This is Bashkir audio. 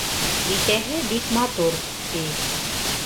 Бисәһе бик матур, ти.